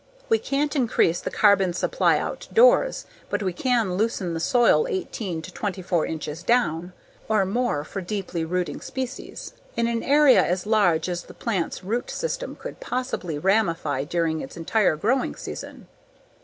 We can't increase the carbon supply outdoors. But we can loosen the soil eighteen to twenty four inches down (or more for deeply rooting species) in an area as large as the plant's root system could possibly ramify during its entire growing season.